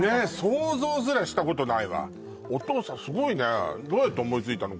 想像すらしたことないわおとうさんすごいねどうやって思いついたの？